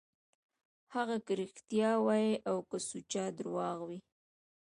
هغه که رښتيا وي او که سوچه درواغ وي.